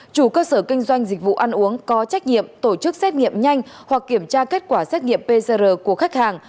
chủ cơ sở kinh doanh dịch vụ ăn uống có trách nhiệm tổ chức xét nghiệm nhanh hoặc kiểm tra kết quả xét nghiệm pcr của khách hàng